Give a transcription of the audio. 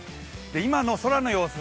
今の空の様子